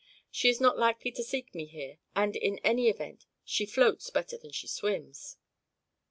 She is not likely to seek me here, and in any event she floats better than she swims."